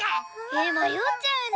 えまよっちゃうね。